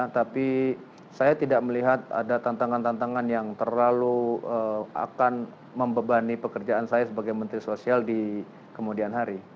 tapi saya tidak melihat ada tantangan tantangan yang terlalu akan membebani pekerjaan saya sebagai menteri sosial di kemudian hari